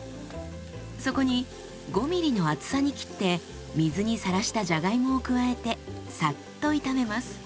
そこに５ｍｍの厚さに切って水にさらしたじゃがいもを加えてサッと炒めます。